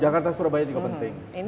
jakarta surabaya juga penting